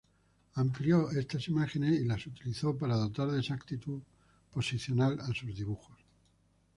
Amplió estas imágenes y las utilizó para dotar de exactitud posicional a sus dibujos.